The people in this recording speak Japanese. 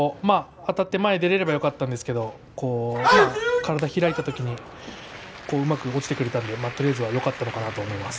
あたって前に出られればよかったんですが体が開いたときにうまく相手が落ちてくれたのでとりあえずよかったかなと思ってます。